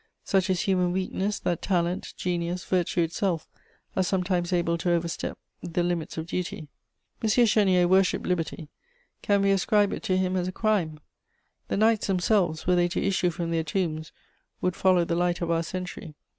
Such is human weakness, that talent, genius, virtue itself are sometimes able to overstep the limits of duty. M. Chénier worshipped liberty: can we ascribe it to him as a crime? The knights themselves, were they to issue from their tombs, would follow the light of our century.